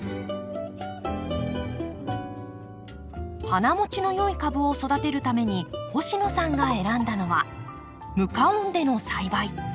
花もちのよい株を育てるために星野さんが選んだのは無加温での栽培。